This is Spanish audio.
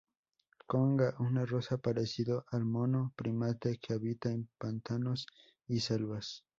Conga: un rosa parecido al mono primate que habita en pantanos y selvas.